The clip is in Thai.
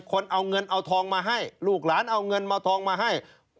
คนเอาเงินเอาทองมาให้ลูกหลานเอาเงินเอาทองมาให้